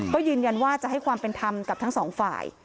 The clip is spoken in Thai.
ก็ยืนยันว่าจะให้ความเป็นธรรมกับทั้งสองฝ่าย